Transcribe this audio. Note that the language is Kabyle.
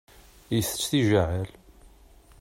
Itett tijɛal.